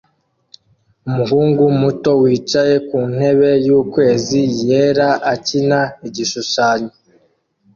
Umuhungu muto wicaye ku ntebe yukwezi yera akina -igishushanyo